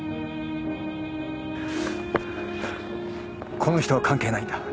この人は関係ないんだ。